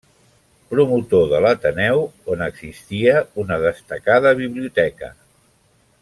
Promotor de l'Ateneu on existia una destacada biblioteca.